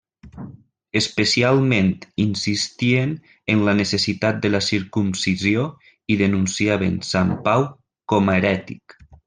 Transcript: Especialment insistien en la necessitat de la circumcisió i denunciaven Sant Pau com a herètic.